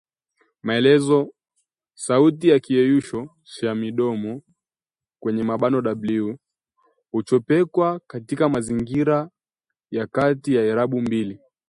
Maelezo: Sauti ya kiyeyusho cha midomoni [w] huchopekwa katika mazingira ya kati ya irabu mbili